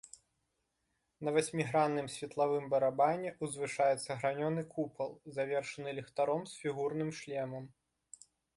На васьмігранным светлавым барабане ўзвышаецца гранёны купал, завершаны ліхтаром з фігурным шлемам.